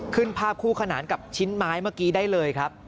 ภาพคู่ขนานกับชิ้นไม้เมื่อกี้ได้เลยครับ